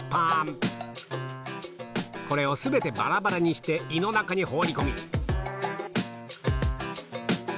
これを全てバラバラにして胃の中に放り込み